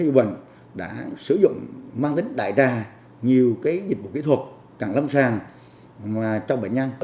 cơ sở hiệu bình đã sử dụng mang tính đại ra nhiều dịch vụ kỹ thuật càng lâm sàng trong bệnh nhân